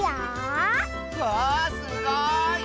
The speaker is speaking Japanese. わあすごい！